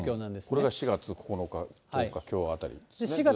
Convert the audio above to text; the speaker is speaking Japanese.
これが４月９日というか、きょうあたり。